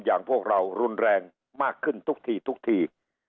อย่างพวกเรารุนแรงมากขึ้นทุกทีทุกที